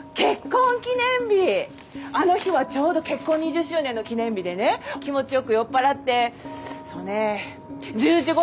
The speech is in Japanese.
あの日はちょうど結婚２０周年の記念日でね気持ちよく酔っ払ってそうね１０時ごろ寝たの！